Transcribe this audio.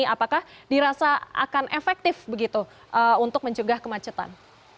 apakah dirasa akan efektif begitu untuk mencegah kemacetan